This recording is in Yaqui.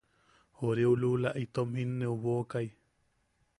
Joriu luula itom jinneʼubokai.